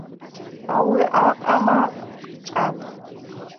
Ауи акъама хъчӏвапӏ.